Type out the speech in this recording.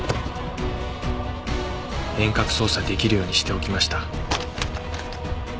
遠隔操作出来るようにしておきました。